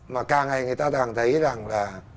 mà càng ngày người ta càng thấy rằng là